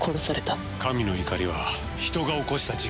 神の怒りは人が起こした事件だ。